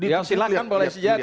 ya silahkan boleh sejarah